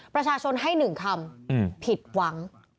ประชาชนให้๑คำผิดหวัง